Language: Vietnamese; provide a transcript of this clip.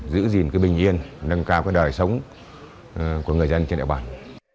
giữ gìn cái bình yên nâng cao cái đời sống của người dân trên địa bàn